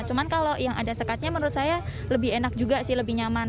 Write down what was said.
cuma kalau yang ada sekatnya menurut saya lebih enak juga sih lebih nyaman